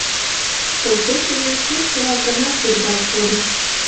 Почешыже сур пурак гына тӱргалт кодо.